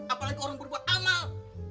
apalagi orang berbuat amal